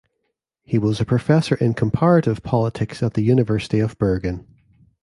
He was a professor in comparative politics at the University of Bergen.